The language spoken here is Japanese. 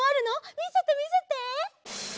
みせてみせて！